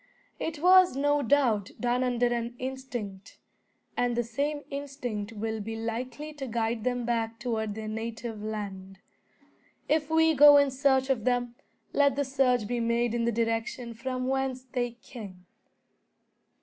It was, no doubt, done under an instinct; and the same instinct will be likely to guide them back toward their native land. If we go in search of them, let the search be made in the direction from whence they came."